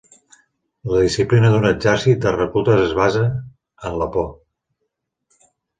La disciplina d'un exèrcit de reclutes es basa, en la por